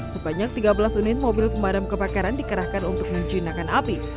sebanyak tiga belas unit mobil pemadam kebakaran dikerahkan untuk menjinakkan api